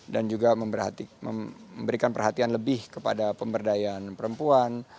dan juga memberikan perhatian lebih kepada pemberdayaan perempuan